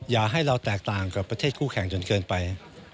อย่าให้เราแตกต่างกับประเทศคู่แข่งจนเกินไป